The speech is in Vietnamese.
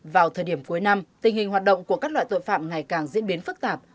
vào thời điểm cuối năm tình hình hoạt động của các loại tội phạm ngày càng diễn biến phức tạp